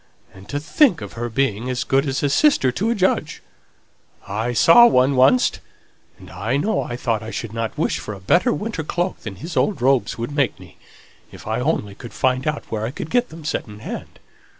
And to think of her being as good as a sister to a judge! I saw one oncst; and I know I thought as I shouldn't wish for a better winter cloak than his old robes would make me, if I could only find out where I could get 'em second hand.